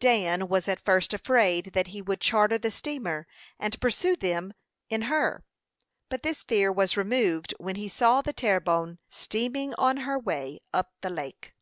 Dan was at first afraid that he would charter the steamer, and pursue them in her; but this fear was removed when he saw the Terre Bonne steaming on her way up the lake.